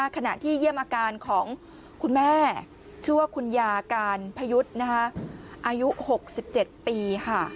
ขณะที่เยี่ยมอาการของคุณแม่ชื่อว่าคุณยาการพยุทธ์อายุ๖๗ปีค่ะ